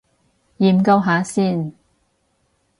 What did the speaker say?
研究下先